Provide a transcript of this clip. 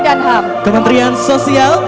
dan ham kementerian sosial